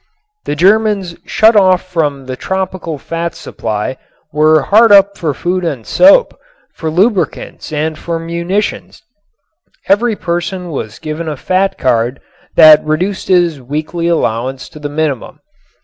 The Germans shut off from the tropical fats supply were hard up for food and for soap, for lubricants and for munitions. Every person was given a fat card that reduced his weekly allowance to the minimum.